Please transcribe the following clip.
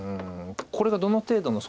これがどの程度の。